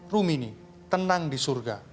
rumini tenang di surga